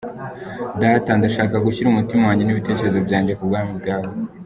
Data, ndashaka gushyira umutima wanjye n’ibitekerezo byanjye ku bwami bwawe.